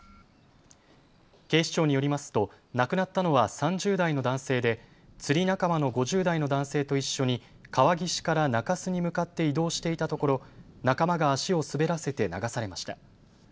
警視庁によりますと亡くなったのは３０代の男性で釣り仲間の５０代の男性と一緒に川岸から中州に向かって移動していたところ仲間が足を滑らせて流されました。